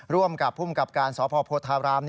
ร่วมกับผู้บังกับการสภพโพธาราม